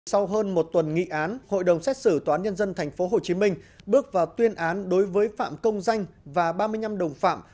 sau hơn một tuần nghị án hội đồng xét xử tòa án nhân dân tp hcm bước vào tuyên án đối với phạm công danh và ba mươi năm đồng phạm